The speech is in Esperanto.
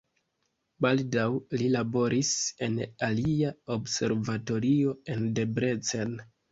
Baldaŭ li laboris en alia observatorio en Debrecen.